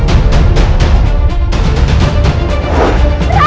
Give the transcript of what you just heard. akan bertemu alexandra